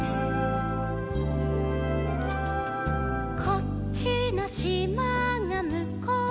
「こっちのしまがむこうのしまへ」